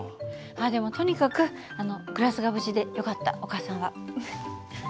でもとにかくグラスが無事でよかったお母さんは。